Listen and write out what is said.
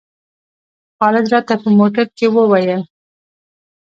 خالد راته په موټر کې وویل.